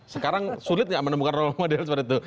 sekarang sulit nggak menemukan role model seperti itu